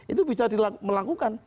itu bisa dilakukan